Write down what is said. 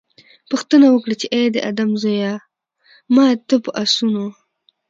پوښتنه وکړي چې اې د آدم زويه! ما ته په آسونو